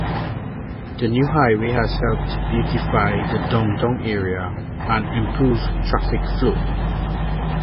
The new highway has helped beautify the downtown area and improve traffic flow.